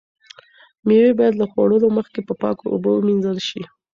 مېوې باید له خوړلو مخکې په پاکو اوبو ومینځل شي.